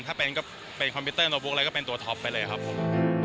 ถ้าเป็นก็เป็นคอมพิวเตอร์โน้แล้วก็เป็นตัวท็อปไปเลยครับผม